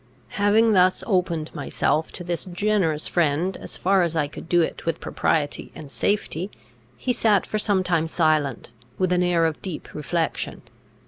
Having thus opened myself to this generous friend, as far as I could do it with propriety and safety, he sat for some time silent, with an air of deep reflection.